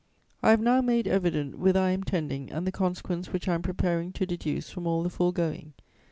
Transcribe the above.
"I have now made evident whither I am tending and the consequence which I am preparing to deduce from all the foregoing.